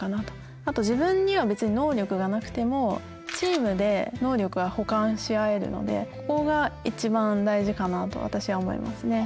あと自分には別に能力がなくてもチームで能力は補完し合えるのでここが一番大事かなと私は思いますね。